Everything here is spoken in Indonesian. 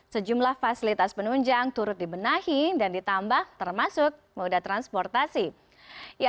sejumlah fasilitas penunjang turut dibenahi dan ditambah termasuk moda transportasi